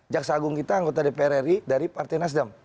jaksa agung kita anggota dpr ri dari partai nasdem